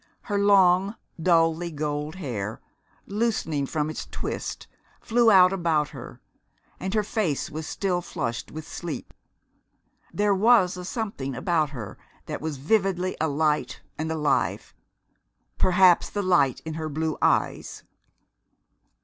Her long, dully gold hair, loosening from its twist, flew out about her, and her face was still flushed with sleep. There was a something about her that was vividly alight and alive, perhaps the light in her blue eyes.